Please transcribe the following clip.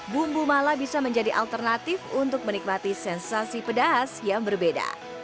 bumbu mala bisa menjadi alternatif untuk menikmati sensasi pedas yang berbeda